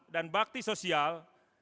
dan bakti sosial